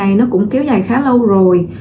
cái vấn đề này nó cũng kéo dài khá lâu rồi